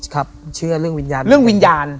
ครับเชื่อเรื่องวิญญาณ